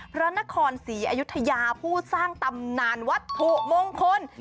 พระนครศรีอยุธยาผู้สร้างตำนานวัตถุมงคล